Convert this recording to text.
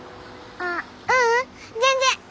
あっううん全然。